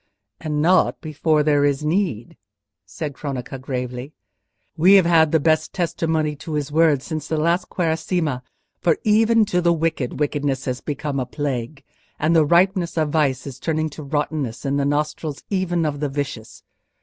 "And not before there is need," said Cronaca, gravely. "We have had the best testimony to his words since the last Quaresima; for even to the wicked wickedness has become a plague; and the ripeness of vice is turning to rottenness in the nostrils even of the vicious.